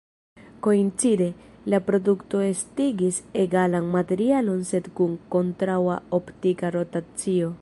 Koincide, la produkto estigis egalan materialon sed kun kontraŭa optika rotacio.